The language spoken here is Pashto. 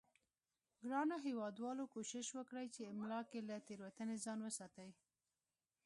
ګرانو هیوادوالو کوشش وکړئ په املا کې له تیروتنې ځان وساتئ